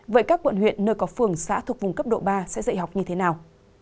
vậy các quận huyện nơi có phường xã thuộc vùng cấp độ ba sẽ dạy học như thế nào